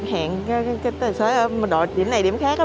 hẹn cái tài xế ở đội chỉnh này điểm khác